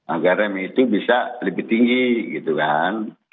agar rem itu bisa lebih tinggi gitu kan